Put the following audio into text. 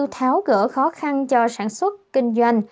các mục tiêu tháo gỡ khó khăn cho sản xuất kinh doanh